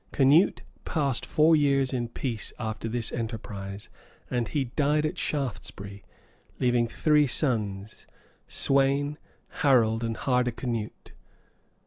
[*] Canute passed four years in peace after this enterprise, and he died at Shaftesbury;[] leaving three sons, Sweyn, Harold, and Hardicanute.